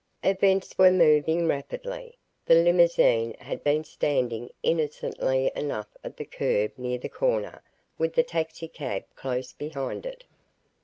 ........ Events were moving rapidly. The limousine had been standing innocently enough at the curb near the corner, with the taxicab close behind it.